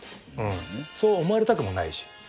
そう思われたくもないし。